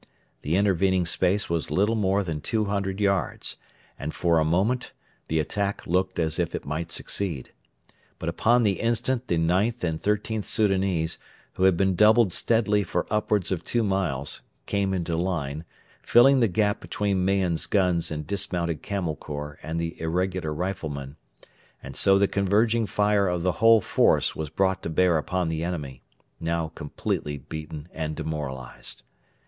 The intervening space was little more than 200 yards, and for a moment the attack looked as if it might succeed. But upon the instant the IXth and XIIIth Soudanese, who had been doubled steadily for upwards of two miles, came into line, filling the gap between Mahon's guns and dismounted Camel Corps and the irregular riflemen; and so the converging fire of the whole force was brought to bear upon the enemy now completely beaten and demoralised.